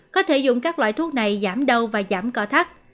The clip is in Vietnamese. có thể dùng các loại thuốc này giảm đầu và giảm cỏ thắt